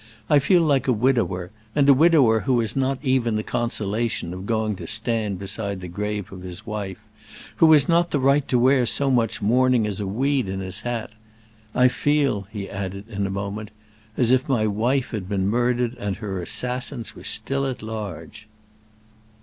"I feel like a widower—and a widower who has not even the consolation of going to stand beside the grave of his wife—who has not the right to wear so much mourning as a weed on his hat. I feel," he added in a moment "as if my wife had been murdered and her assassins were still at large."